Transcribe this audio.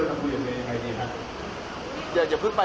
โทษเย็น